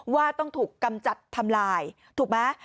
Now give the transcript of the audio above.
ว่าต้องถูกกำจัดทำลายถูกไหม